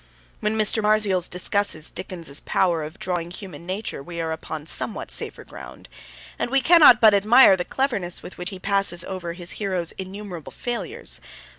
When Mr. Marzials discusses Dickens's power of drawing human nature we are upon somewhat safer ground, and we cannot but admire the cleverness with which he passes over his hero's innumerable failures.